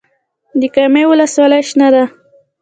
د کامې ولسوالۍ شنه ده